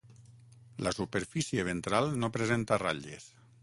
La superfície ventral no presenta ratlles.